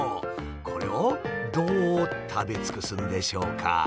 これをどう食べ尽くすんでしょうか？